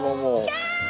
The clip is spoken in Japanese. キャーッ！